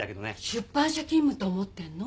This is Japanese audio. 出版社勤務と思ってんの？